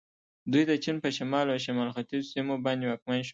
دوی د چین په شمال او شمال ختیځو سیمو باندې واکمن شول.